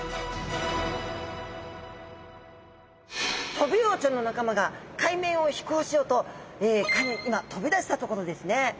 トビウオちゃんの仲間が海面を飛行しようと今飛び出したところですね！